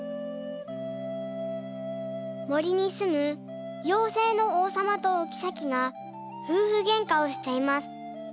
もりにすむようせいのおうさまとおきさきがふうふげんかをしています。